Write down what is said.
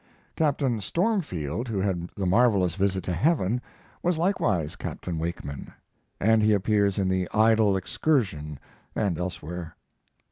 Captain "Stormfield," who had the marvelous visit to heaven, was likewise Captain Wakeman; and he appears in the "Idle Excursion" and elsewhere.